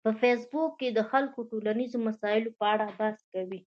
په فېسبوک کې خلک د ټولنیزو مسایلو په اړه بحث کوي